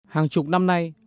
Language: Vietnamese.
hàng chục năm nay